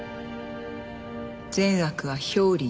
善悪は表裏一体。